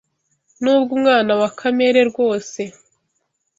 nubwo umwana wa Kamere rwose